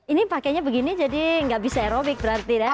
ini pakenya begini jadi gak bisa aerobik berarti ya